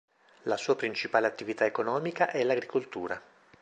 La sua principale attività economica è l'agricoltura.